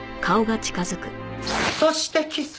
そしてキス。